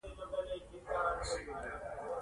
فساد ته دغه ډول لاره هوارول د تورو پیسو بل زیان دی.